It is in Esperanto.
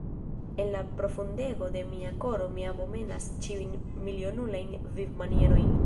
En la profundego de mia koro mi abomenas ĉiujn milionulajn vivmanierojn!